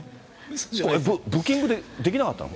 ブッキングできなかったの？